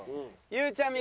ゆうちゃみ